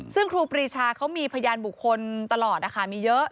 ซึ่งครูปรีชาเขามีพยานบุคคลตลอดนะคะมีเยอะ